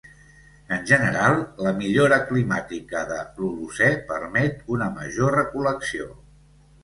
En general, la millora climàtica de l'Holocè permet una major recol·lecció.